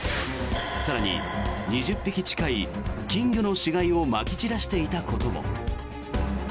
更に２０匹近い金魚の死骸をまき散らしていたことも。